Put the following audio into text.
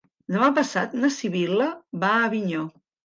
Demà passat na Sibil·la va a Avinyó.